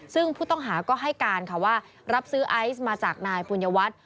ซึ่งผู้ต้องหาก็ให้การค่ะว่ารับซื้อไอซ์มาจากนายปุญญวัฒน์